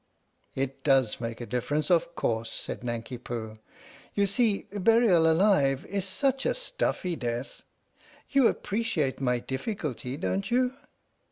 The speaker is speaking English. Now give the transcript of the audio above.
" It does make a difference, of course," said Nanki Poo. " You see burial alive it 's such a stuffy death ! You appreciate my difficulty, don't you?"